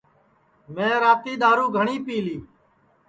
میں راتی دؔارُو گھٹؔی پی لی